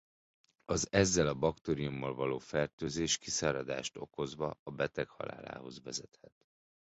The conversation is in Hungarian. Az ezzel a baktériummal való fertőzés kiszáradást okozva a beteg halálához vezethet.